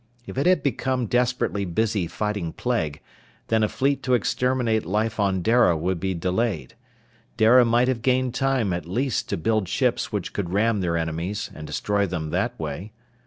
If it had become desperately busy fighting plague, then a fleet to exterminate life on Dara would be delayed. Dara might have gained time at least to build ships which could ram their enemies and destroy them that way.